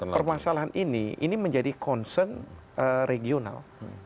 permasalahan ini ini menjadi concern regional